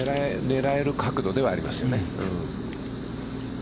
狙える角度ではありますよね。